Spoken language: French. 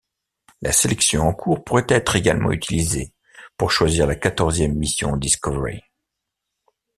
La sélection en cours pourrait être également utilisée pour choisir la quatorzième mission Discovery.